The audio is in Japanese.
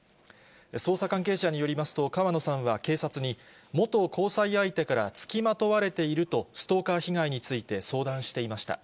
捜査関係者によりますと、川野さんは警察に、元交際相手から付きまとわれていると、ストーカー被害について相談していました。